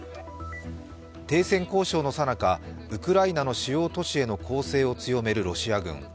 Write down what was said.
停戦交渉のさなか、ウクライナの主要都市への攻勢を強めるロシア軍。